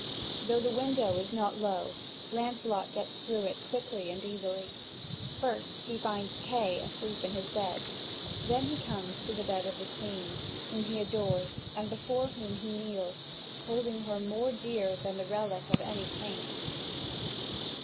Though the window is not low, Lancelot gets through it quickly and easily. First he finds Kay asleep in his bed, then he comes to the bed of the Queen, whom he adores and before whom he kneels, holding her more dear than the relic of any saint.